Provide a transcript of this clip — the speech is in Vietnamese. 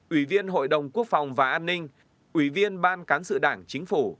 ủy viên hội đồng quốc phòng và an ninh ủy viên ban cán sự đảng chính phủ